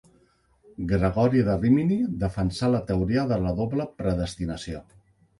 Gregori de Rímini defensà la teoria de la doble predestinació.